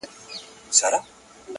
بېګا مي خوب کي لیدل لویه تماشه یمه زه,